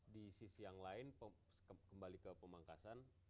di sisi yang lain kembali ke pemangkasan